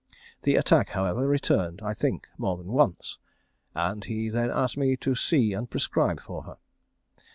The attack, however, returned, I think more than once, and he then asked me to see and prescribe for her.